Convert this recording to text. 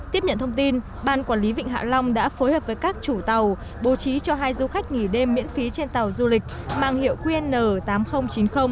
tiếp nhận thông tin ban quản lý vịnh hạ long đã phối hợp với các chủ tàu bố trí cho hai du khách nghỉ đêm miễn phí trên tàu du lịch mang hiệu qn tám nghìn chín mươi